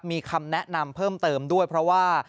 มีคำแนะนำเพิ่มเติมด้วยเพราะว่า